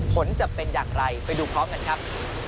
ผลจะเป็นอย่างไรไปดูพร้อมกันครับ